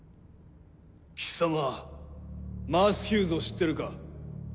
貴様マース・ヒューズを知ってるか？